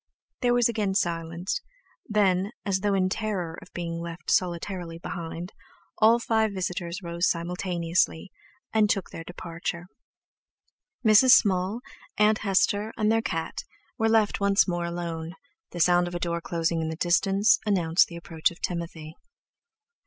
There was again silence; then, as though in terror of being left solitarily behind, all five visitors rose simultaneously, and took their departure. Mrs. Small, Aunt Hester, and their cat were left once more alone, the sound of a door closing in the distance announced the approach of Timothy.